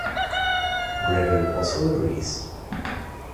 Gregory Possehl agrees.